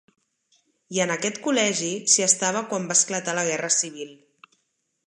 I en aquest col·legi s'hi estava quan va esclatar la Guerra Civil.